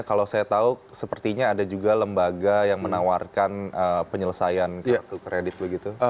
kalau saya tahu sepertinya ada juga lembaga yang menawarkan penyelesaian kartu kredit begitu